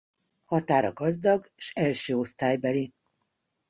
Határa gazdag s első osztálybeli.